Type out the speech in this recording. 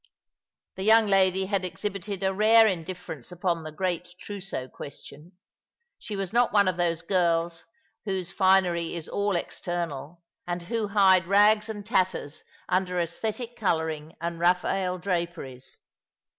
The young lady had exhibited a rare indifference upon the great trousseau question. She was not one of those girls •whose_ finery is all external, and who hide rags and tatters 288 All along the River. nnder esthetic colouring and Eaffaelle draperies.